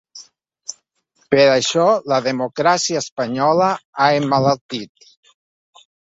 Per això la democràcia espanyola ha emmalaltit.